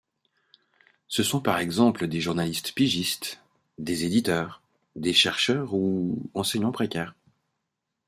Ce sont par exemple des journalistes pigistes, des éditeurs, des chercheurs ou enseignants précaires.